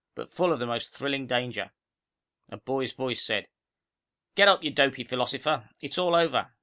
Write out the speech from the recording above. But full of the most thrilling danger. A boy's voice said, "Get up, you dopy philosopher. It's all over."